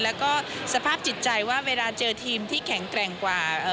แล้วก็สภาพจิตใจว่าเวลาเจอทีมที่แข็งแกร่งกว่า